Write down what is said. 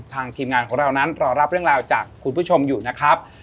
ทีมงานของเรานั้นรอรับเรื่องราวจากคุณผู้ชมอยู่นะครับ